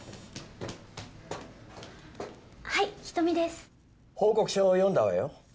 はい人見です報告書読んだわよ